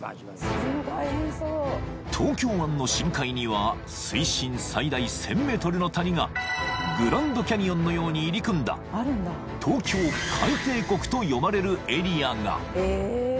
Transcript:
［東京湾の深海には水深最大１，０００ｍの谷がグランドキャニオンのように入り組んだ東京海底谷と呼ばれるエリアが］